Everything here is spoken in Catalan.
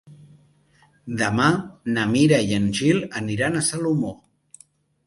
Demà na Mira i en Gil aniran a Salomó.